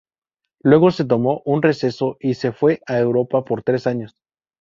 Luego se tomó un receso y se fue a Europa por tres años.